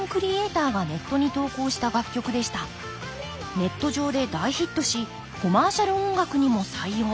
ネット上で大ヒットしコマーシャル音楽にも採用。